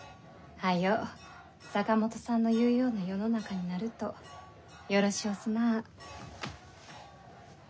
はよ坂本さんのいうような世の中になるとよろしおすなぁ。